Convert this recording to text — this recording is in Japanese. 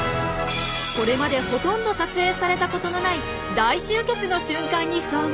これまでほとんど撮影されたことのない大集結の瞬間に遭遇！